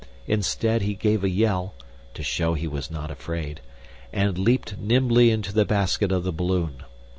Instead, he gave a yell (to show he was not afraid) and leaped nimbly into the basket of the balloon.